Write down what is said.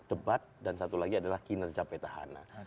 debat dan satu lagi adalah kinerja petahana